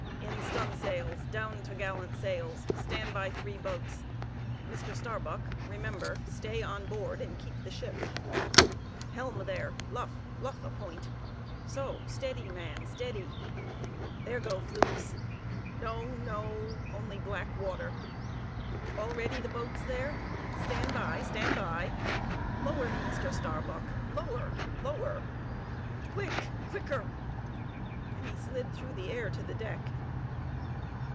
In stunsails! Down topgallant sails! Stand by three boats. Mr. Starbuck, remember, stay on board, and keep the ship. Helm there! Luff, luff a point! So; steady, man, steady! There go flukes! No, no; only black water! All ready the boats there? Stand by, stand by! Lower me, Mr. Starbuck; lower, lower,—quick, quicker!" and he slid through the air to the deck.